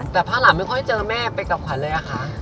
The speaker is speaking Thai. แต่ภาหลังไม่ค่อยเจอแม่ไปกับขวัญเลยอะคะ